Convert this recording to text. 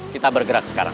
kita bergerak sekarang